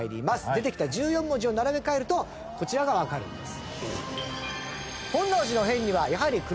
出てきた１４文字を並べ替えるとこちらがわかるんです。